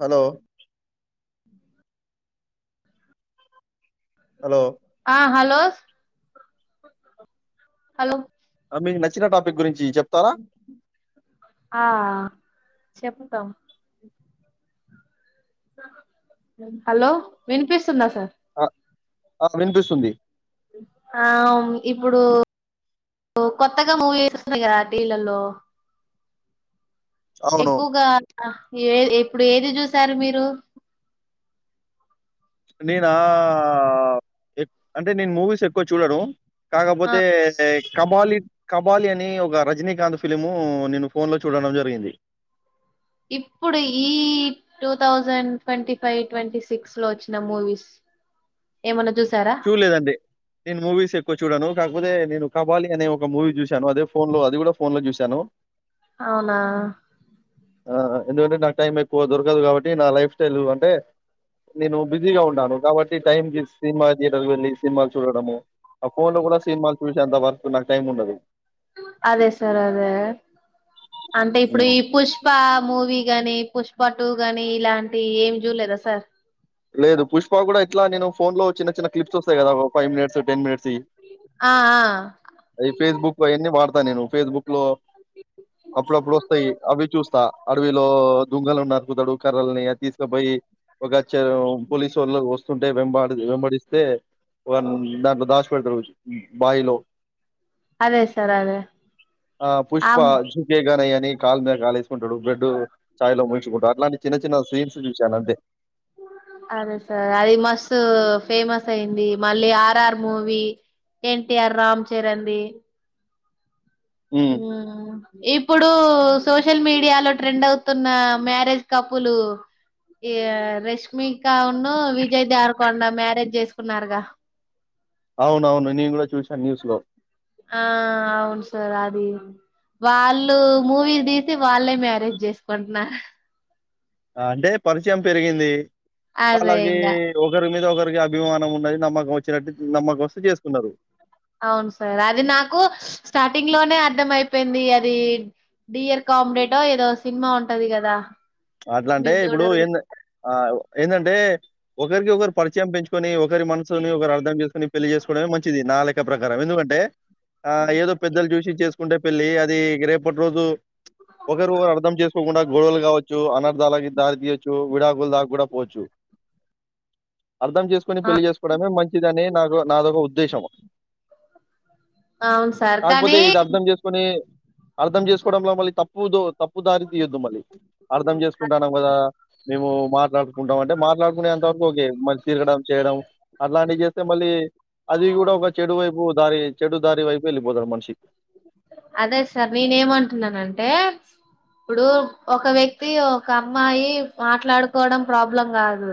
Hello hello లో hello మీ నచ్చిన టాపిక్ గురించ్ ఆఆ చెప్ తమ్ హలొ విన్ పిస్తుందా సార్ ఆ ఆ విన్ పిస్తుంది ఔ న్ ఇప్పుడు ఓ కొత్తగా మూవీ సోసున్ నయి గదా టిలల్లో అవును ఎక్కుగా ఆ ఏ ఏపుడు ఏది జుసారు మీరు నేనా ఆఆఆ ఎక్ అంటె నేన్ మూవీస్ ఎక్కు చూడను ఆ కాకపోతే క బాలి కబాలి అని ఒక రజీనీకాంత్ ఫిలీము నేను ఫోన్ లో చూడడం జరిగింది ఇప్పుడు ఈ two thousand twenty five twenty six లో ఓచ్చిన మూవీస్ ఏమన్న జుస్ చూడ్ లేదండి నేను మూవీస్ ఎక్కు చూడను కాకపోతే నేను కబాలి అనే ఒక మూవీ జుశాను అదే ఫోన్ లో అది గూడ ఫోన్ లో జుశాను ఔనా ఆ ఆ ఎందుకంటే నాక్ టైం ఎక్కువ దొరకదు కాబట్టి నా లైఫ్ స్టైల్ అంటే నేను బిజీగా ఉంటాను కాబట్టి టైంకి సిన్ మా థియేటర్ కి వెళ్ళి సిన్ మాల్ చూడడము ఆ ఫోన్ లో గూడ సిన్ మాల్ చూశెంత వర్ క్ నాక్ టైం ఉండదు అదే సార్ అదే అంటే ఇప్పుడు హ్మ్. ఈ పుష్పా మూవీ గాని పుష్పా టూ గాని ఇలాంటి ఏవి జూడ్ లేదా సార్ లేదు పుష్ప గూడా ఇట్లా నేను ఫోన్ లో చిన్న చిన్న క్లిప్స్ ఒస్తయి గదా ఒ ఫై మినిట్స్ టెన్ మినిట్స్ యి ఆ ఆ అది ఫేస్ బుక్ అయన్ని వాడతా నేను ఫేస్ బుక్ లో అప్పుడప్పుడు ఒస్తయి అవి చూస్తా అడవిలో దుంగలను నరుకుతడు కరల్ ని అద్ తీస్ కపోయి ఒక చరవ్ పోలీసొళ్ళ వో స్ స్తుంటే వెంబాడి వెంబడిస్తే వన్ దాంట్లో దాచ్ పెడతడు బాయిలో అదే సార్ అదే ఆ పుష్ ప ఆమ్ జుకే గనై ఏ ని కాళ్ మీద్ కాలేసుకుంటడు బ్రెడ్ చాయ్ లో ముంచుకుంటా అట్లాంటి చిన్న చిన్న సీన్స్ జుసాను అంతే అదే సార్ అది మస్త్ ఫేమస్ అయింది మళ్ళీ RR movie NTR Ram Charan ది హ్మ్. ఉమ్ ఇప్పుడు సోషల్ మీడియా లో ట్రెండ్ అవుతున్న మ్యారేజ్ కపులు ఈ రేష్ మీక ఔను విజయ్ దేవర్ కొండా మ్యారేజ్ జేస్ కున్నారుగా ఔన్ ఔన్ నేన్ గూడా చూసాను న్యూస్ లో ఆ ఔన్ సార్ ఆది వాళ్ళు మూవీ దీసి వాళ్ళే మ్యారేజ్ జెస్ కుంట్ నర్ ఆ అంటే పర్ చయం పెరిగింది అదే వాళ్ళకి ఇంగా ఒకరి మీద ఒకర్ ఇగ అభిమానం ఉన్నది నమ్మకం వచ్చినట్టు నమ్మక్ ఒస్తే చేసుకున్నరు ఔన్ సార్ అది నాకు స్టార్టింగ్ లోనే అర్థమై పెంది అది డియర్ కామ్ రేటో ఏదో సిన్ మా ఉంటది గదా అట్లాంటే ఇప్పుడు ఎందన్ అహ్ ఎందంటే ఒకరికొకరు పరిచయం పెంచు కొని ఒకరి మనసుని ఒకరు అర్ధం చేసుకొని పెళ్ళి చేసుకోడమే మంచిది నా లెక్క ప్రకారం ఎందుకంటే ఆ ఏదో పెద్దలు చూసి చేసుకుంటే పెళ్ళి అది రేపట్ రోజు ఒకరు అర్ దమ్ చేస్ కోకుండా గొడవల్ గావోచ్ తు అనర్ దళ్ కి దారి తీయొచ్చు విడాకులు దాక్ కూడా పోవచ్చు అర్ దమ్ జెస్ కోని ఆ పెళ్లి చేసుకోవడమే మంచిదని నాకు నాదొక ఉద్దేశము అవును సార్ కాకపోతే కానీ ఇది అర్ధం చేసుకొని అర్థం చేసుకోవడంలో మళ్ళీ తప్పుదో తప్పుదారి తీయొద్దు మళ్ళీ అర్ధం చేసుకుంటాన్నాం కదా మే మాట్లాడుకుంటాం అంటే మాట్లాడుకునే ఎంతవరకు ఒకే మళ్ళ తిరగడం చేయడం అట్లాంటివి చేస్తే మళ్ళీ అది కూడ ఒక చెడు వైపు దారి చెడు దారి వైపు వెళ్ళిపోతాడు మనిషికి అదే సార్ నేనే ఏమంటున్నానంటే ఇప్పుడు ఒక వ్యక్తి ఒక అమ్మాయి మాట్లాడుకోవడం ప్రాబ్లం కాదు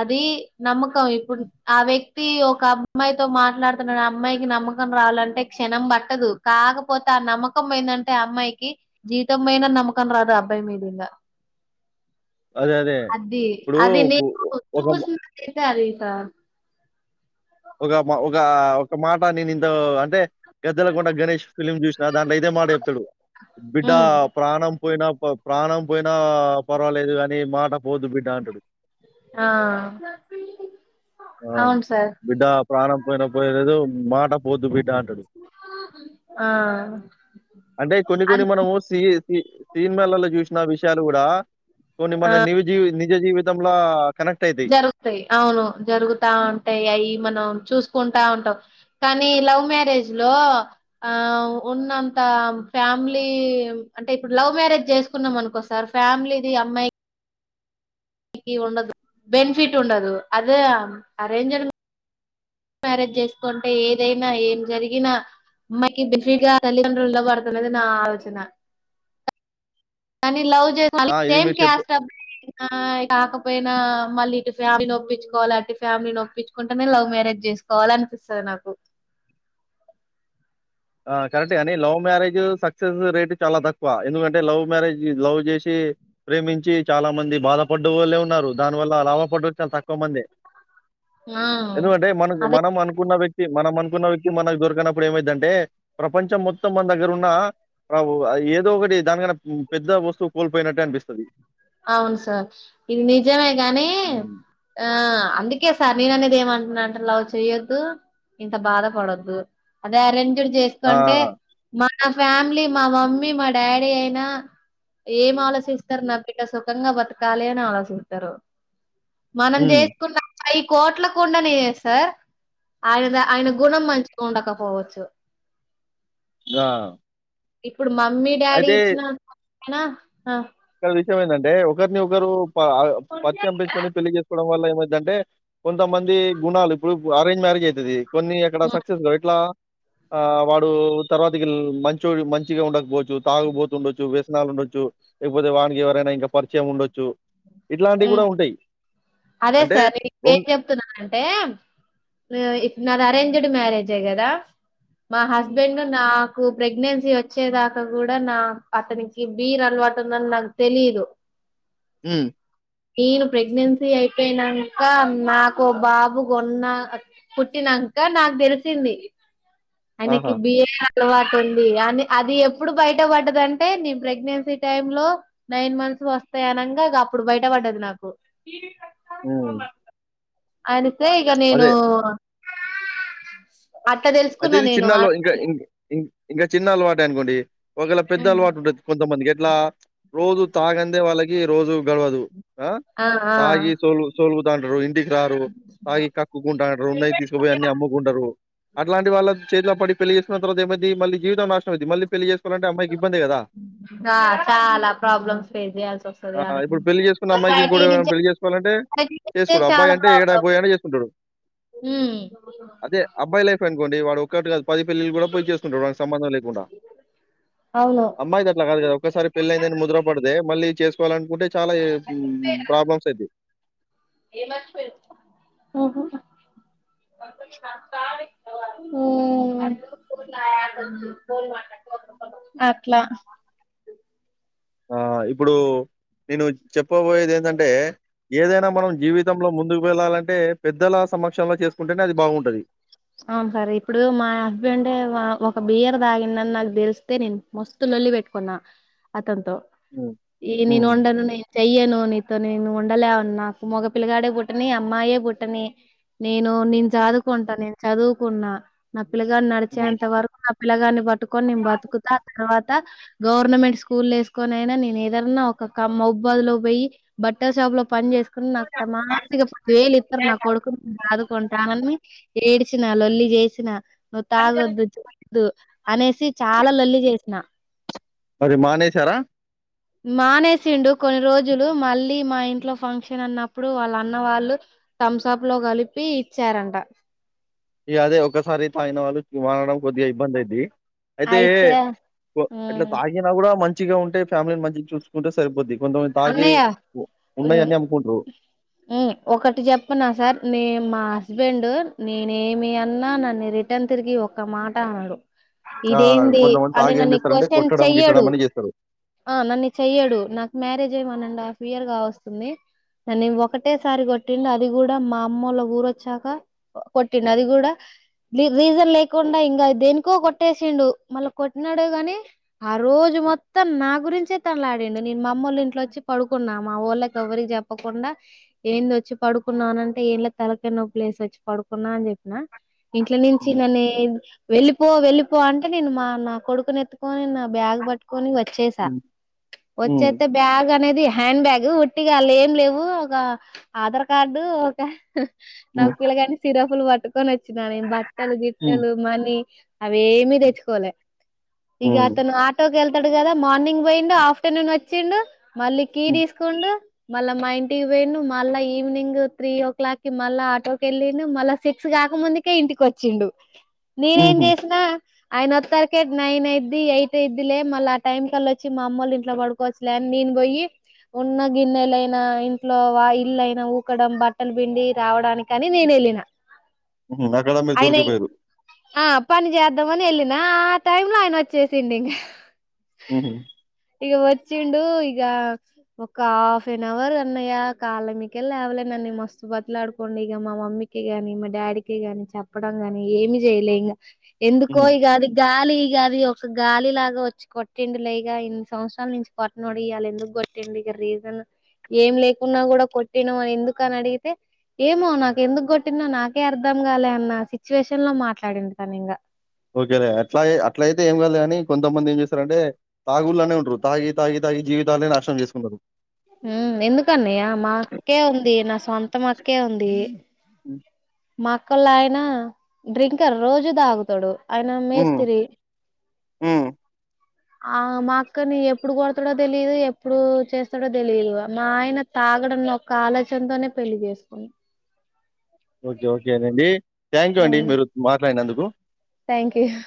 అది నమ్మకం ఇప్పుడు ఆ వ్యక్ వ్యక్తి ఒక అమ్మాయితో మాట్లాడుతున్నాడు అమ్మాయికి నమ్మకం రావాలంటే క్షణం బట్టదు కాకపో కపోతే ఆ నమ్మకం పోయిందంటే అమ్మాయికి జీతంమైన నమ్మకం రాదు అబ్బాయి మీద ఇంగా అదే. అదే. అది ఇప్పుడు అది పు నేను ఒక చూసినట్యితే అడుగ్త ఒగ ఒగ ఒగ మాట నేను ఇంత అంటే గద్దలకుండా గణేష్ ఫిలిమ్ చూస్ దాంట్లో అయిదే మాట చెప్తాడు బిడ్డ ఉమ్. ప్రాణం పోయినా ప్రాణం పోయినా పర్వాలేదు గాని మాట పోదు బిడ్డ అంటాడు ఆ ఆ అవును సార్ "బిడ్డ ప్రాణం పోయిన పోయలేదు మాట పోద్దు బిడ్డ అంటడు ఆ అంటే కొన్ని అన్ కొన్ని మనము సీ ఏ సిన్ మాలలో చూసిన విషయం యలు కూడా కొన్ని ఆ మన ని జీ నిజ జీవితంలో జరుగుతయి అవును జరుగుతా ఉంటాయి అయి మనం చూసుకుంటా ఉంటాం కానీ లవ్ మ్యారేజ్ లో ఆ ఉన్నంత త ఫ్యామిలీ అంటే ఇప్పుడు లవ్ మ్యారేజ్ చేసుకున్నాం అనుకోసార్ ఫ్యామిలీది అమ్మాయి వుండదు బెనిఫిట్ ఉండదు అదే ఆరెంజ్డ్ మ్యారేజ్ చేసుకుంటే ఎదైనా ఏం జరిగినా అమ్మాయికి బెసిగా హ్మ్. తల్లిదండ్రుల్లో పడుతున్నది నా ఆలోచన కనీ లవ్ ఆ! ఇది సేమ్ మీరు చెప్ క్యాస్ట్ అబ్బాయి ఆ కాకపోతే పోయినా మళ్ళీ ఇటు ఫ్యామిలీ ఒప్పించుకోవాలే అటు ఫ్యామిలీ ఒప్పించుకుంటేనే లవ్ మ్యారేజ్ చేసుకోవాలి అనిపిస్తది నాకు ఆ కరెక్ట్గాని లవ్ మ్యారేజ్ సక్సెస్ రేట్ చాల తక్కువ ఎందుకంటే లవ్ మ్యారేజ్ లవ్ జేసి ప్రేమించి చాలా మంది బాధపడ్డ వాళ్లే ఉన్నారు దాని వల్ల లాభపడ చాలా తక్కువ మంది ఆ ఎందుకంటే మనకు అదే మనం అనుకున్న వ్యక్తి మనం అనుకున్న వ్యక్తి మనకు దొరికనప్పుడు ఏమైద్ది అంటే ప్రపంచం మొత్తం మన దగ్గర ఉన్న ఏదో ఒకటి దానికన్న పెద్ద వస్తువు కోల్పోయినట్ టే అనిపిస్తది అవును సర్ ఇది నిజమే గాని హ్మ్. ఆ అందుకే సర్ నేననేది ఏమం ఇలాంటి లవ్ చేయ్యొద్దు ఇంత బాధపడద్దు అదే ఆరెంజ్ జే ఆ! చేసుకుంటే మా నా ఫ్యామిలీ మా మమ్మీ మా డాడీ అయినా ఏం ఆలోచిస్తరు లవ్ సుఖంగా బతకాలి అని ఆలోచితారు మనం హ్మ్. జెసకున్న ప కోట్ల కొండనే సార్ ఆయన ఆయన గుణం మంచ్ కండక పోవచ్చు ఆ ఇప్పుడు మమ్మీ డాడీ అయితే ఇచ్చినంతనా అ అసలు విషయం ఎందంటే ఒకరిని ఒకరు పరిచయం పెంచుకొని పెళ్లి చేసుకోవడం వల్ల అంటే కొంతమంది గుణాలు ఇప్పుడు అరేంజ్ మ్యారేజ్ అయితుది. కొన్ని అక్కడ సక్సెస్ ఇట్లా ఆ వాడు తర్వాతకి మంచో మంచిగా ఉండకపోవచ్చు. తాగుపోతుండొచ్చు వే లాగ ఉండొచ్చు లేకపోతే వానికి ఎవరైనా ఇంకా పరిచయం ఉండొచ్చు ఇట్లాంటివి కూడ ఉంటయ్ అదే సర్ నేనిప్పుడేం చెప్తున్నానంటే ఇప్పుడ నా అరేంజ్డ్ మ్యారేజే కదా మా హ్మ్. హస్బెండ్ నా నాకు ప్రెగ్నెన్సీ వచ్చేదాకా కూడా నా అతనికి బీర్ అలవాటు ఉందని నాకు తెలీదు మ్ నేను ప్రెగ్నెన్సీ అయిపోయినంక నాకు బాబు కొన్న పుట్టి నా అక్క నాకు తెలిసింది ఆయనకి ఆహా! బిఏ అలవాటు ఉంది అని అది ఎప్పుడు బయట పడ్డదంటే నేను ప్రెగ్నెన్సీ టైమ్ లో నైన్ మం వస్తాయి అనంగ అప్పుడు బయట పడ్డది నాకు. ఉ అరిత్తే ఇక నేను అట్లా అదే తెలుసుకున్నా ఇది నేను ఆ చిన్నలు ఇంకా ఇంకా చిన్నలవాటే అనుకోండి. ఒకవేళ పెద్ద అలవాటు ఉంటది కొంతమందికి ఎట్లా రోజు తాగందే వాళ్ళకి రోజు గడవదు. ఆ తాగి ఆ సోల్ సోలుగుదాండ్రు ఇంటికి రారు తాగి కక్కుకుంటారు, ఉన్నయి తీసుకుపోయి అన్ని అమ్ముకుంటరు. అట్లాంటి వాళ్ళకి చేతిల పడి పెళ్లి చేసుకున్న తర్వా ఏం అయిద్ధి. మళ్ళీజీవితం నాశనం అయ్యిద్ధి. మళ్ళీ పెళ్లి చే అంట అమ్మాయికి ఇబ్బంది కదా. ఆ చాలా ప్రాబ్లమ్స్ ఫేస్ చేయాల్సి వస్తది. ఆ ఆమే ఇప్పుడు పెళ్లి చేసుకున్న అమ్మాయికి సొసైటీ ఇంకోడు ఎవరైనా నుంచి పెళ్లి చేసుకోవాలంటే తే చేసుకోడు చాల అబ్బాయి అంటే ఏడా ప్రాబ్లెమ్ పోయాడా చేసుకుంటాడు ఉమ్ ఇంకోటి వాడు ఒక్కటిగా పది పెళ్ళిలు కూడా పోయి చేసుకుంటాడు. వానికి సంబంధం లేకుండా అవును అమ్మాయికట్ల కాదు కదా ఒక్కసారి పెళ్లి అయిందని ముద్ర పడి దే మళ్ళీ చేసుకోవాలనుకుంటే చాలా యే ప్రాబ్లమ్స్ అయితయి. ఏం మర్చిపోయావ్ ఉహు [unintelligible] అట్లా ఆ ఇప్పుడు నేను చెప్పబోయేది ఏందంటే ఏదైనా మనం జీవితంలో ముందు వెళ్ళాలంటే పెద్దల సమక్షంలో చేసుకుంటేనే అది బాగుంటది. అవును సర్ ఇప్పుడు మా హస్బెండ్ ఒక బియర్ తాగిండని నాకు తెలిస్తే నేను మస్తు లొల్లిపెట్టుకున్న అతనితో హ్మ్. ఇ హ్మ్. నేనొండను నేనుచెయ్యను నీతో నేను ఉండలేను నాకు మగ పిల్లగాడే పుట్టని, అమ్మాయే పుట్టని నేను నేను హ్మ్. చాదుకుంటా నేను చదువుకున్నా నా పిల్లగాడు హ్మ్. నడిచేంత వరకు నా పిల్లగాన్ని పట్టుకొని నేను బతుకుతా. ఆ తర్వాత గవర్నమెంట్ స్కూల్ల వేసుకొనైనా నేనెదన్నా ఒక కమ్ ఉబదు లో పోయి బట్టల్ షాప్ లో పని చేసు నా త్తమ్మ మాంచిగ పది వేలు ఇస్తరు నా కొడుకును నేను చాదుకుంటానని ఏడిచినా లొల్లి చేసిన నువ్వు తాగొద్దు చూద్దు అనేసి చాలా లొల్లి చేసిన. అరే మానేేశారా? మానేసిండు. కొన్ని రోజులు మళ్ళీ మా ఇంట్లో ఫంక్షన్ అన్నప్పుడు వాళ్ళఅన్న వాళ్ళు థమ్సాప్ లో కలిపి ఇచ్చారంట. ఇ అదే ఒక్కసారి తాగిన వాళ్ళు మారడం కొద్దిగా ఇబ్బంది అయిద్ది. అయితే అట్లా ఉమ్ తాగినా కూడా మంచిగా ఉంటే ఫ్యామిలీ మంచిగ చూసుకుంటే సరిపోద్ది. నువ్ తాగే అన్నయ్య ఉమ్ ఉమ్ ఒకటి చెప్పన సార్ మే మా హస్బెండ్ నేనేమి అన్నా నన్ను రిటర్న్ తిరిగి ఒక్క మాట అనడు. ఆ! ఇదేంది కొంతమంది అని తాగి ఏం నన్ను చేస్తారంటే క్వశ్చన్ కొట్టడం, గిట్టడం చెయ్యడు అని చేస్తరు. ఆ నన్ను చెయ్యడు నాకు మ్యారేజ్ అయ్యి వన్ అండ్ హాఫ్ ఇయర్ గా వస్తుంది నన్ను ఇంక ఒకటేసారి కొట్టిండు అది కూడా మా అమ్మొళ్ళ ఊరొచ్చాక కొట్టిండు అది కూడ లి రీజన్ లేకుండా ఇంగ దేనికో కొట్టేసిండు. మళ్ల కొట్టినాడె గాని ఆ రోజు మొత్తం నా గురించె తన్లాడిండు నేను మా అమ్మొళ్ల ఇంట్లో వొచ్చి పడుకున్నా. మా వొళ్ళకి ఎవరికి చెప్పకుండ ఏంది వొచ్చి పడుకున్నా అనంటే ఏ ఇంక తర్వాత నొప్పి లే సోచ్చి పడుకున్న అని జెప్పిన ఇంట్లో నుంచి హ్మ్. నన్నే వెళ్ళిపో వెళ్ళిపో అంటే నేను మా నా కొడుకుని ఎత్తుకని నా బ్యాగ్ బ్యాగ్ పట్టుకొని వొచ్చేసా హ్మ్. హ్మ్. వొచ్చేత్తే బ్యా బ్యాగ్ అనేది హ్యాండ్ బ్యాగ్ ఉట్టిగా అన్లఏం లేవు ఒక ఆధార్ కార్డు ఒక హ్ హ్మ్. నాకు ఇలాగని సిరఫులు వట్టుకొని వొచ్చినా నేను బట్ గట్టలు హ్మ్. గిట్టలు మనీ అవేమి హ్మ్. తెచ్చకోలే ఇగ హ్మ్. అతను ఆటోకి ఏళ్ స్తడు కదా మార్నింగ్ పోయిండు ఆఫ్టర్నూన్ వొచ్చిండు మళ్ళీ కీ హ్మ్. తీసుకుండు మళ్ళా మా ఇంటికి పోయిండు మళ్ళ ఈవినింగ్ త్రీ ఓ క్లాక్ కి మళ్ళ ఆటోకి వెళ్లిండు మళ్ళా సిక్స్ గ కాకముందుకే ఇంటికి ఒచ్చిండు నేనేం హుహు. చేసిన ఆయన వొత్తల్కే నైన్ అయిద్ది ఎయిట్ అయిద్దిలే మళ్ళీ ఆ టైం కల్లా వచ్చి మా అమ్మోళ్ళు ఇన్ ఇంట్లో పడుకోచ్చులె నేన్ బొయ్యి ఉన్న గిన్నెలయినా ఇంట్లో వా ఇల్లైన ఊకడం బట్టల్ పిండి రావడానికని నేన్ ఎళ్ళిన హుహు. అక్కడ మీరు అయినై దొరికిపోయారు. ఆ పని చేద్దామని ఎళ్ళిన్ నా టైమ్ లో ఆయన వొచ్చేసిండు ఇంగ హ్ ఉహు ఇగ వొచ్చిండు ఇగ ఒక హాఫ్ అన్ అవర్ అన్నయ్య కాలమికెల లేవలేన్ మేమ్ మస్తు బత్లాడుకోండి ఇగ మా మమ్మీకి గాని మా డాడీకి గాని చెప్పడం గాని ఏమి చేయలే ఇంగ ఎందుకో హ్మ్. ఇగ అది గాలి ఇగ అది ఒక గాలి లాగా వొచ్చి కొట్టిండి లేగా ఇన్ సంవత్సరాల నుంచి కొట్నోడు ఇయ్యాల ఎందుకు కొట్టటిండ్ ఇగ రీజన్ ఏం లేకున్నా గూడ కొట్టినవ్ అని ఎందుక్ అని అడిగితే ఏమో న హ్మ్. నాకు ఎందుకు గొట్టిందో నాకే అర్థం గాలే అన్న సిచ్యువేషన్ లో మాట్లాడిండు తను ఇంగ ఓకేలే అట్లై అట్లా అయితే ఏం కాదులే గాని కొంతమంది ఏం చేస్తారంటే తాగుల్లనే ఉంటరు తాగి తాగి త తాగి జీవితాలే నాశనం చేసుకున్నరు. ఉమ్మ్ ఎందుకన్నయ్య మా అక్కే ఉంది నా సొంతం అక్కే ఉంది ఉమ్ మా అక్కోళ్ల ఆయన డ్రింకర్ రోజు దాగుతడు ఆయన మేస్తిరి ఉమ్ ఆ మా అక్కని ఎప్పుడు కొడతడో తెలిదు ఎప్పుడు చేస్తడో తెలిదు మా ఆయన తా తాగడం లో ఒక్క ఆలోచనతోనే పెళ్లి చేసుకుండు ఓకే ఓకేనండి థ్యాంక్ యూ అండి మీరు మాట్లాడినందుకు థ్యాంక్ యూ హ్